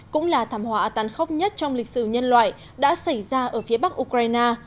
cũng là thảm họa tàn khốc nhất trong lịch sử nhân loại đã xảy ra ở phía bắc ukraine